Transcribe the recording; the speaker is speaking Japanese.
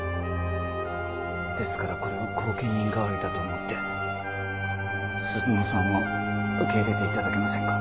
ですからこれを後見人代わりだと思って鈴乃さんを受け入れて頂けませんか？